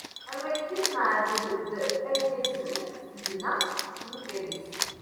Am akken neɛdel-d aggazen iɣef tebna tamukerrist.